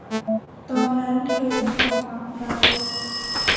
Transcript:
ตอนนั้นเธอจะทำอะไร